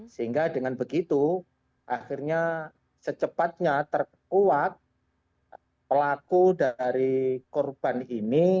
sehingga dengan begitu akhirnya secepatnya terkuat pelaku dari korban ini